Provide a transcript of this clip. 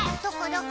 どこ？